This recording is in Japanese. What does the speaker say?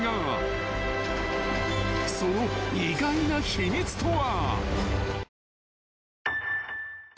［その意外な秘密とは］